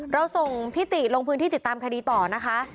เราส่งพิติลงพื้นที่ติดตามคดีต่อนะคะ